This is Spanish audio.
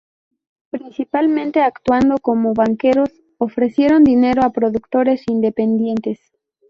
Principalmente actuando como banqueros, ofrecieron dinero a productores independientes.